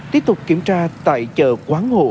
tiếp tục kiểm tra tại chợ quán hộ